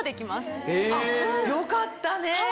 よかったね。